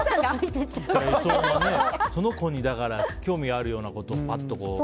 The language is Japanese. その子が興味があるようなことを言って。